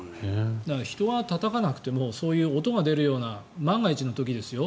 人がたたかなくても音が出るような万が一の時ですよ